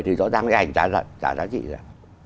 thì rõ ràng cái ảnh trả giá trị ra